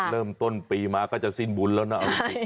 เริ่มต้นปีมาก็จะสิ้นบุญแล้วนะ